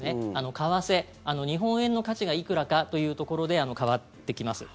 為替、日本円の価値がいくらかというところで変わってきます。